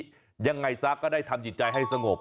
วันนี้ยังไงสักก็ได้ทำจิตใจให้สงบ